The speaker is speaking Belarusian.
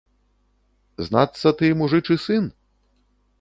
Знацца, ты мужычы сын?